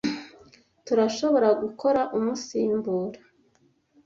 Turashobora gukora umusimbura?